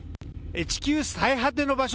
地球最果ての場所